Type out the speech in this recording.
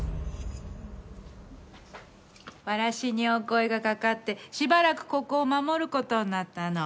わらしにお声がかかってしばらくここを守る事になったの。